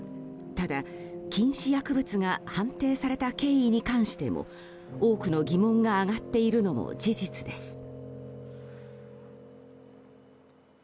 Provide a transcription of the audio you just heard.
ただ、禁止薬物が判定された経緯に関しても多くの疑問が上がっているのも事実です。